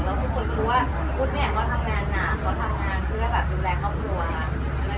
แล้วทุกคนคือว่าอุ๊ดเนี้ยเขาทำงานหนาเขาทำงานเพื่อแบบดูแลครอบครัวค่ะ